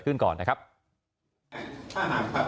ขึ้นก่อนนะครับถ้าหากพักรับเรื่องรถไฟฟ้าก็ดีเนี่ย